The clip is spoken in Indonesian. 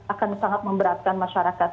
akan sangat memberatkan masyarakat